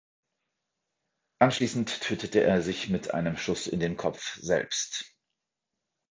Anschließend tötete er sich mit einem Schuss in den Kopf selbst.